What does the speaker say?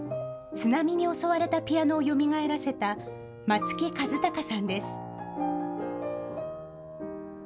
津波に襲われたピアノをよみがえらせた松木一高さんです。